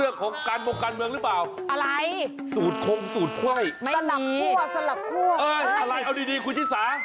เอออะไรเอาดีคุณชิคกี้พาย